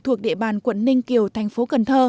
thuộc địa bàn quận ninh kiều tp cn